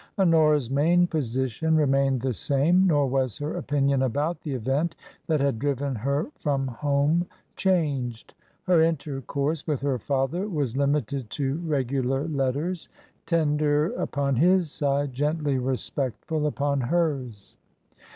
Honora's main position remained the same, nor was her opinion about the event that had driven her from home changed. Her intercourse with her father was limited to regular letters — ^tender upon his side, gently respectful upon hers.